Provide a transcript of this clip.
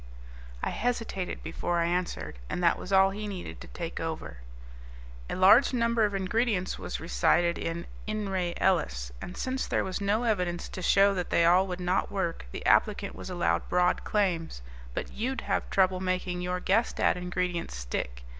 I hesitated before I answered, and that was all he needed to take over. "A large number of ingredients was recited in In re Ellis, and since there was no evidence to show that they all would not work, the applicant was allowed broad claims. But you'd have trouble making your guessed at ingredients stick.